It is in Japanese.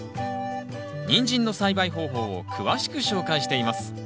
ニンジンの栽培方法を詳しく紹介しています。